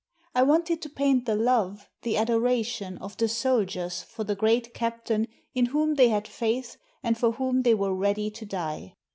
I wanted to paint the love, the adoration, of the soldiers for the great Captain in whom they had faith and for whom they were ready to die.